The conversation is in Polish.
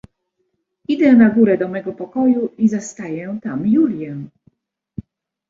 "Idę na górę do mego pokoju i zastaję tam Julię."